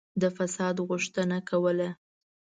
د فساد غوښتنه کوله.